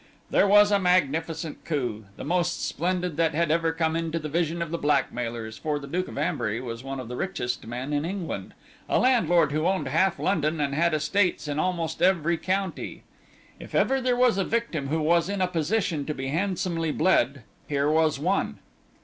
Here was a magnificent coup, the most splendid that had ever come into the vision of the blackmailers, for the Duke of Ambury was one of the richest men in England, a landlord who owned half London and had estates in almost every county. If ever there was a victim who was in a position to be handsomely bled, here was one.